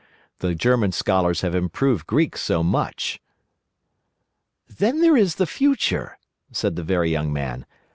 The German scholars have improved Greek so much." "Then there is the future," said the Very Young Man.